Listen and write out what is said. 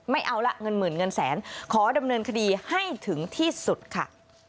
ไม่เอาละเงินหมื่นเงินแสนขอดำเนินคดีให้ถึงที่สุดค่ะ